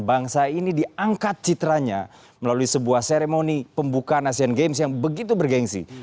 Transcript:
bangsa ini diangkat citranya melalui sebuah seremoni pembukaan asian games yang begitu bergensi